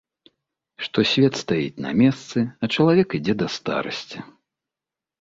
Што свет стаіць на месцы, а чалавек ідзе да старасці.